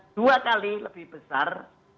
dua kali lebih besar